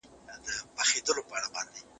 سرمایه دارۍ نظام د افراط تر سرحده رسېدلی دی.